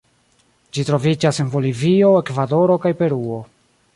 Ĝi troviĝas en Bolivio, Ekvadoro kaj Peruo.